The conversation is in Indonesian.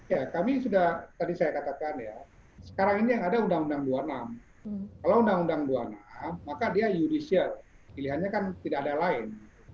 ya kami sudah tadi saya katakan ya sekarang ini yang ada undang undang dua puluh enam kalau undang undang dua puluh enam maka dia judicial pilihannya kan tidak ada lain